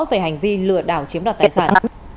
về hành vi lừa đảo chiếm đoạt tài sản